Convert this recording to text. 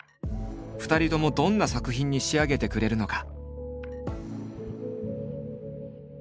２人ともどんな作品に仕上げてくれるのか？